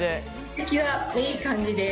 出来はいい感じです。